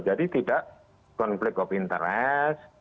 jadi tidak konflik of interest